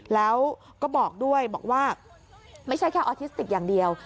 แล้วก็บอกด้วยบอกว่าไม่ใช่แค่ออทิสติกอย่างเดียว